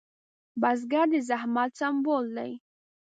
بزګر د زحمت سمبول دی